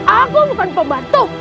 aku bukan pembantu